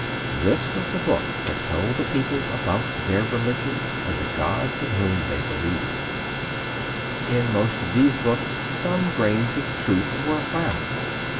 This was the book that told the people about their religion, and the gods in whom they believed. In most of these books some grains of truth were found.